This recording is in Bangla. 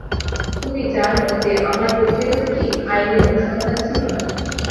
তুমি জানো যে আমার প্রতিবেদনটি আইনী অনুসন্ধান ছিল না।